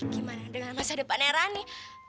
gimana dengan masa depannya rani